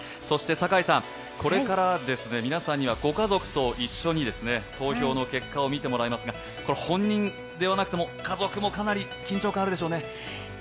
そして坂井さん、これから皆さんにはご家族と一緒に投票の結果を見てもらいますが、本人ではなくても家族もかなり緊張感があるでしょうね。